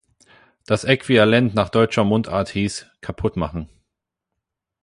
Das Äquivalent nach deutscher Mundart hieß „kaputt machen“.